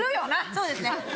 そうですね。